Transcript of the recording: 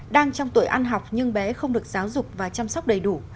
đang trong tuổi ăn học nhưng bé không được giáo dục và chăm sóc đầy đủ